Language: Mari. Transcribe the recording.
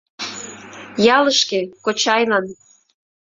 Ялышке, кочайлан.